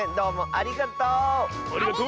ありがとう！